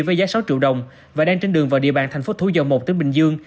với giá sáu triệu đồng và đang trên đường vào địa bàn tp thủ dầu một tỉnh bình dương